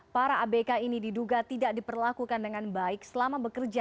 para abk ini diduga tidak diperlakukan dengan baik selama bekerja